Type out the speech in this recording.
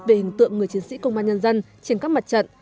về hình tượng người chiến sĩ công an nhân dân trên các mặt trận